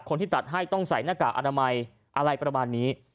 คนที่ตัดให้ต้องใส่หน้ากากอนามัยอะไรประมาณนี้